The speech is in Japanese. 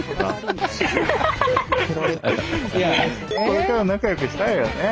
これからも仲良くしたいよね。